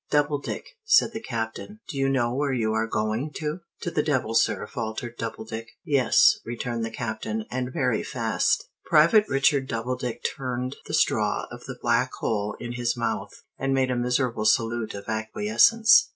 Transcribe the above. "Doubledick," said the Captain, "do you know where you are going to?" "To the devil, sir," faltered Doubledick. "Yes," returned the Captain. "And very fast." Private Richard Doubledick turned the straw of the Black hole in his mouth, and made a miserable salute of acquiescence.